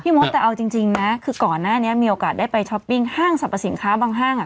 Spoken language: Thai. มดแต่เอาจริงนะคือก่อนหน้านี้มีโอกาสได้ไปช้อปปิ้งห้างสรรพสินค้าบางห้างอ่ะ